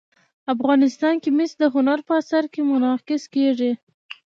افغانستان کې مس د هنر په اثار کې منعکس کېږي.